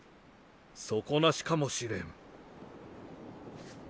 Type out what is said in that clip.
底なしかもしれん。